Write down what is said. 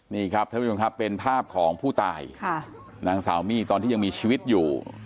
นี่ครับท่านผู้ชมครับเป็นภาพของผู้ตายค่ะนางสาวมี่ตอนที่ยังมีชีวิตอยู่